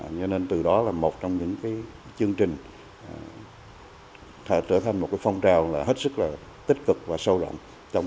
nên từ đó là một trong những cái chương trình trở thành một cái phong trào là hết sức là tích cực và sâu rộng